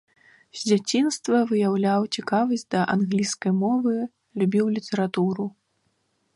З дзяцінства выяўляў цікавасць да англійскай мовы, любіў літаратуру.